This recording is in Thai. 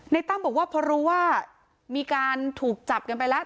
ตั้มบอกว่าพอรู้ว่ามีการถูกจับกันไปแล้ว